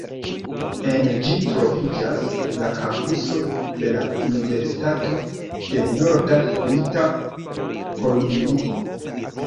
En ĝi troviĝas la kampuso de la Universitato de Norda Brita Kolumbio.